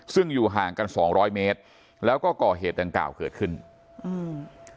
ซึ่งอยู่ห่างกันสองร้อยเมตรแล้วก็ก่อเหตุดังกล่าวเกิดขึ้นอืม